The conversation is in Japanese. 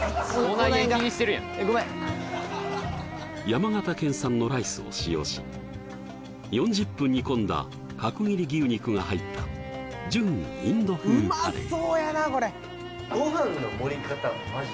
山形県産のライスを使用し４０分煮込んだ角切り牛肉が入った純インド風カレー